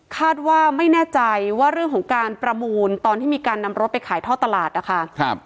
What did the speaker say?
คาดว่าไม่แน่ใจว่าเรื่องของการประมูลตอนที่มีการนำรถไปขายท่อตลาดนะคะ